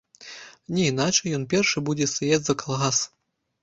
Не іначай, ён першы будзе стаяць за калгас.